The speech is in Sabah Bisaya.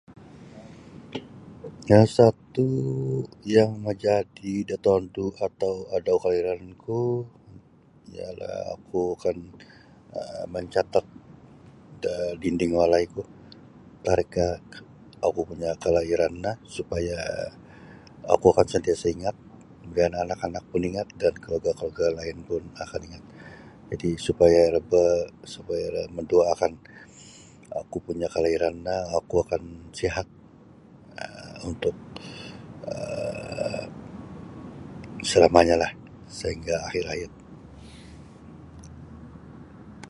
Saatu yang majadi da tondu atau adau kalahiranku ialah oku akan um mancatat da dinding walaiku tarikh oku punyo kalahiran no supaya oku akan sentiasa ingat dan anak-anak ingat keluarga-keluarga lain pun akan ingat supaya iro mendoakan oku punyo kalahiran no oku akan sihat untuk um selamanyolah sehingga akhir hayat.